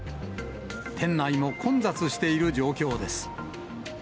店内も混雑している状況です。